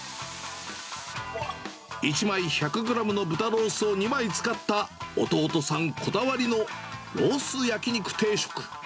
１枚１００グラムの豚ロースを２枚使った弟さんこだわりのロース焼肉定食。